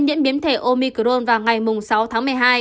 nhiễm biến thể omicrone vào ngày sáu tháng một mươi hai